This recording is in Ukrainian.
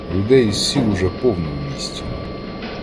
Людей із сіл уже повно в місті.